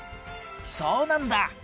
そうなんだ！